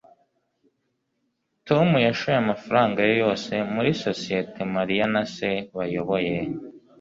tom yashoye amafaranga ye yose muri sosiyete mariya na se bayoboye